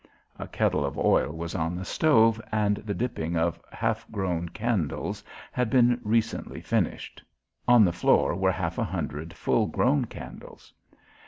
A kettle of oil was on the stove and the dipping of half grown candles had been recently finished. On the floor were half a hundred full grown candles.